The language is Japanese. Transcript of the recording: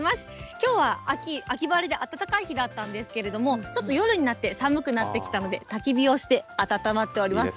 きょうは秋晴れで暖かい日だったんですけれども、ちょっと夜になって寒くなってきたので、たき火をして、あたたまっております。